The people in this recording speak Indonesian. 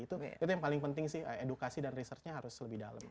itu yang paling penting sih edukasi dan researchnya harus lebih dalam